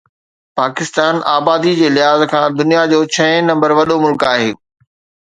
پاڪستان آبادي جي لحاظ کان دنيا جو ڇهين نمبر وڏو ملڪ آهي